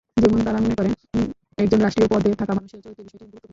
যেমন তারা মনে করে একজন রাষ্ট্রীয় পদে থাকা মানুষের চরিত্রের বিষয়টি গুরুত্বপূর্ণ।